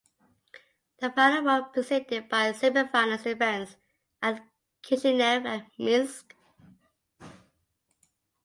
The final were preceded by semifinals events at Kishinev and Minsk.